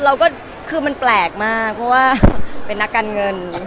เราก็คือมันแปลกมากเพราะว่าเป็นนักการเงิน